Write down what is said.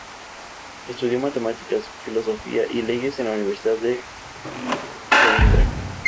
Estudió matemáticas, filosofía y leyes en la Universidad de Coímbra.